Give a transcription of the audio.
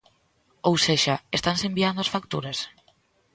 Ou sexa, ¿estanse enviando as facturas?